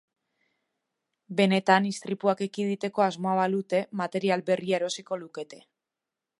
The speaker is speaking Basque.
Benetan istripuak ekiditeko asmoa balute material berria erosiko lukete.